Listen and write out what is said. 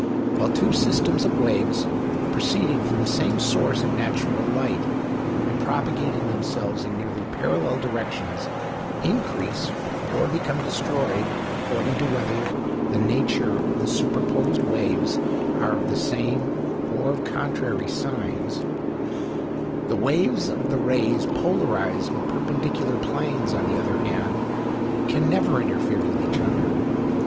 While two systems of waves, proceeding from the same source of natural light and propagating themselves in nearly parallel directions, increase or become destroyed according to whether the nature of the superposed waves are of the same or of contrary signs, the waves of the rays polarized in perpendicular planes, on the other hand, can never interfere with each other.